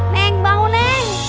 neng bangun neng